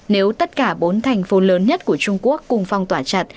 nếu tất cả bốn thành phố lớn nhất của trung quốc cùng phong tỏa chặt